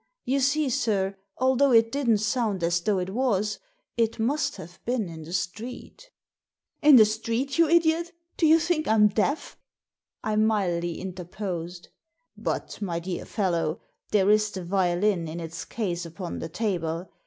You see, sir, although it didn't sound as though it was, it must have been in the street" In the street, you idiot ! Do you think I'm deaf? " I mildly interposed — "But, my dear fellow, there is the violin in its case upon the table.